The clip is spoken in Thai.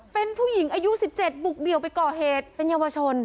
เป็นผู้หญิงอายุ๑๗บุกเดี่ยวไปก่อเหตุเป็นเยาวชน